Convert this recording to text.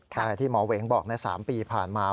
ค่ะที่หมอเว๋งบอก๓ปีผ่านมา